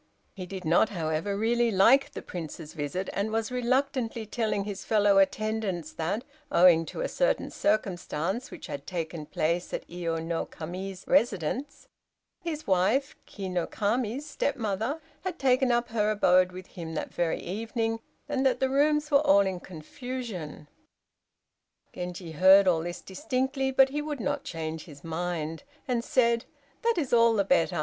He did not, however, really like the Prince's visit, and was reluctantly telling his fellow attendants that, owing to a certain circumstance which had taken place at Iyo no Kami's residence, his wife (Ki no Kami's stepmother) had taken up her abode with him that very evening, and that the rooms were all in confusion. Genji heard all this distinctly, but he would not change his mind, and said, "That is all the better!